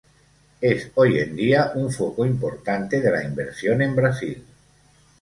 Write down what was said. Es hoy en día un foco importante de la inversión en Brasil.